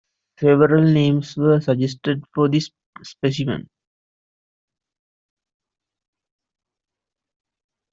Several names were suggested for this specimen.